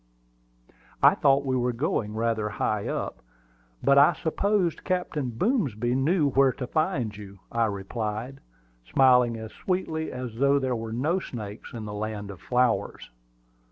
"I thought we were going rather high up; but I supposed Captain Boomsby knew where to find you," I replied, smiling as sweetly as though there were no snakes in the Land of Flowers.